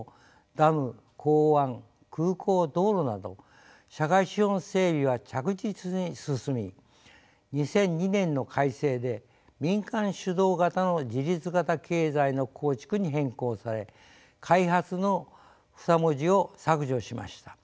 ダム港湾空港道路など社会資本整備は着実に進み２００２年の改正で「民間主導型の自立型経済の構築」に変更され「開発」の２文字を削除しました。